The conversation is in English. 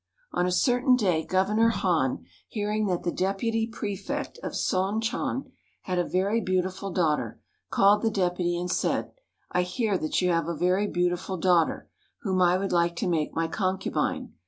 On a certain day Governor Han, hearing that the Deputy Prefect of Son chon had a very beautiful daughter, called the Deputy, and said, "I hear that you have a very beautiful daughter, whom I would like to make my concubine.